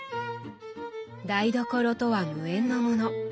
台所とは無縁のもの。